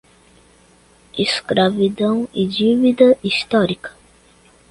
Escravidão e dívida histórica